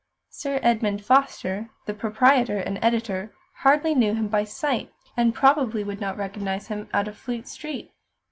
Sir Edmund Foster, the proprietor and editor, hardly knew him by sight, and probably would not recognise him out of Fleet Street.